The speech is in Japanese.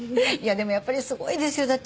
いやでもやっぱりすごいですよ。